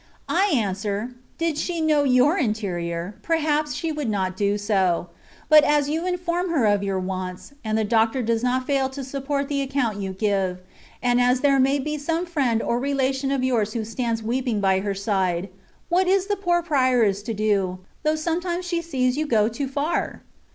I answer, did she know your interior, perhaps she would not do so ; but as you inform her of your wants, and the doctor does not fail to support the account you give, and as there may be some friend or reljCtion of yours who stands weep* ing by her side, what is the poor prioress to do, though she sometimes sees you go too far